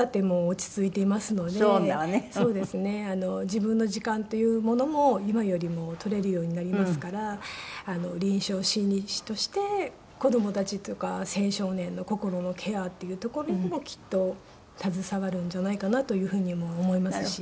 自分の時間というものも今よりも取れるようになりますから臨床心理士として子供たちとか青少年の心のケアっていうところにもきっと携わるんじゃないかなというふうにも思いますし。